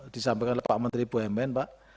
disampaikan oleh pak menteri bumn pak